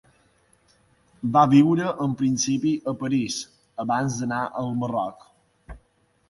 Va viure en principi a París, abans d'anar al Marroc.